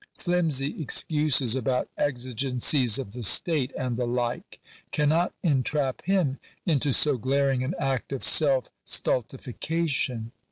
Flimsy excuses about " exigencies of the state," and the like, cannot entrap him into so glaring an act of self stultification.